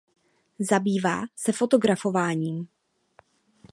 Zabývá se fotografováním.